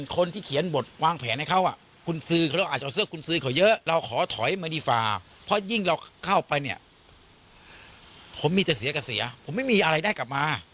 คนที่เขียนบทวางแผนให้เขาคุณซื้อเขาเราอาจจะเอาเสื้อคุณซื้อเขาเยอะเราขอถอยมาดีฟาเพราะยิ่งเราเข้าไปเนี่ยผมมีแต่เสียกับเสียผมไม่มีอะไรได้กลับมา